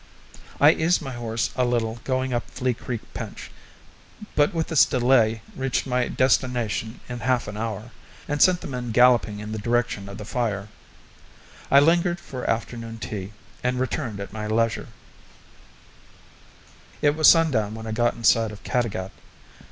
I eased my horse a little going up Flea Creek pinch, but with this delay reached my destination in half an hour, and sent the men galloping in the direction of the fire. I lingered for afternoon tea, and returned at my leisure. It was sundown when I got in sight of Caddagat.